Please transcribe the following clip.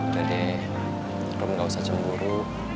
udah deh ruh gak usah cemburu